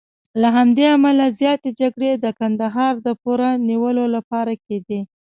له همدې امله زیاتې جګړې د کندهار د پوره نیولو لپاره کېدې.